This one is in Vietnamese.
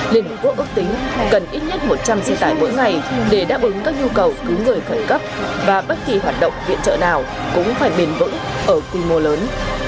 liên hợp quốc ước tính cần ít nhất một trăm linh xe tải mỗi ngày để đáp ứng các nhu cầu cứu người khẩn cấp và bất kỳ hoạt động viện trợ nào cũng phải bền vững ở quy mô lớn